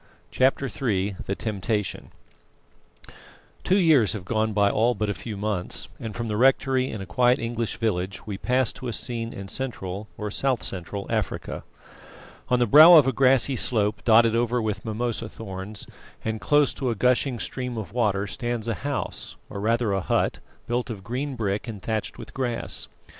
CHAPTER III THE TEMPTATION Two years have gone by all but a few months, and from the rectory in a quiet English village we pass to a scene in Central, or South Central, Africa. On the brow of a grassy slope dotted over with mimosa thorns, and close to a gushing stream of water, stands a house, or rather a hut, built of green brick and thatched with grass.